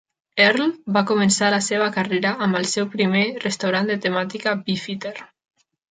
Earl va començar la seva carrera amb el seu primer restaurant de temàtica Beefeater.